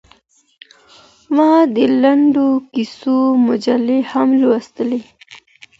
ما د لنډو کيسو مجلې هم لوستلې.